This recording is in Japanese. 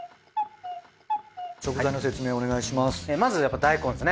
食材の説明お願いします。